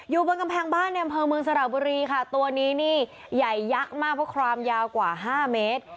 อยู่บนกำแพงบ้านในอำเภอเมืองสระบุรีค่ะตัวนี้นี่ใหญ่ยักษ์มากเพราะความยาวกว่า๕เมตร